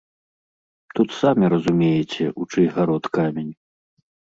Тут самі разумееце, у чый гарод камень.